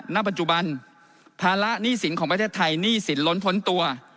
ณปัจจุบันภาระหนี้สินของประเทศไทยหนี้สินล้นพ้นตัว